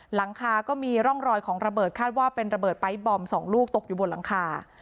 หลังคาก็มีร่องรอยของระเบิดคาดว่าเป็นระเบิดไป๊บอม๒ลูกตกอยู่บนหลังคา